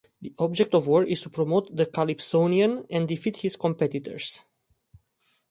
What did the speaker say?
The object of War is to promote the calypsonian and defeat his competitors.